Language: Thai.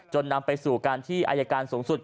นำไปสู่การที่อายการสูงสุด